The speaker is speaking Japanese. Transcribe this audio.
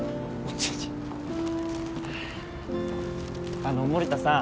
はぁあの森田さん。